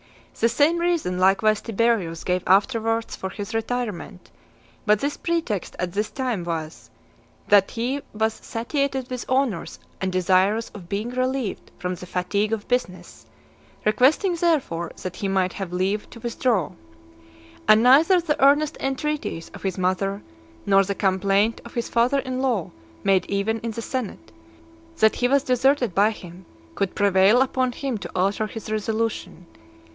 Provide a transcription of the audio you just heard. The same reason likewise Tiberius gave afterwards for his retirement; but his pretext at this time was, that he was satiated with honours, and desirous of being relieved from the fatigue of business; requesting therefore that he might have leave to withdraw. And neither the earnest entreaties of his mother, nor the complaint of his father in law made even in the senate, that he was deserted by him, could prevail upon him to alter his resolution.